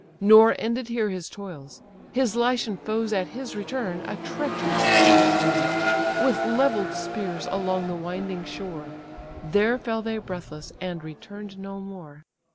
"Nor ended here his toils: his Lycian foes, At his return, a treacherous ambush rose, With levell'd spears along the winding shore: There fell they breathless, and return'd no more.